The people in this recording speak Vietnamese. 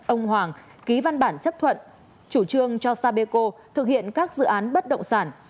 ông hoàng ký văn bản chấp thuận chủ trương cho sapeco thực hiện các dự án bất động sản